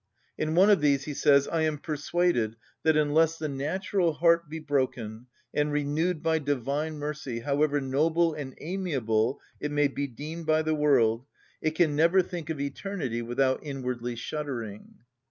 In one of these he says: "I am persuaded that unless the natural heart be broken, and renewed by divine mercy, however noble and amiable it may be deemed by the world, it can never think of eternity without inwardly shuddering."